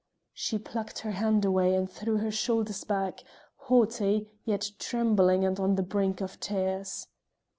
She plucked her hand away and threw her shoulders back, haughty, yet trembling and on the brink of tears.